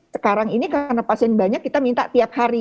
sekarang ini karena pasien banyak kita minta tiap hari